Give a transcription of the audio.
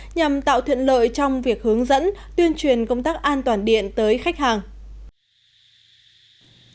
nhằm tạo thuận lợi trong việc hướng dẫn tuyên truyền công tác an toàn điện tới khách hàng